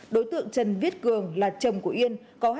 đối tượng trần viết cường là chồng của yên